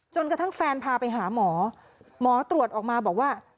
จนกระทั่งแฟนพาไปหาหมอหมอตรวจออกมาบอกว่า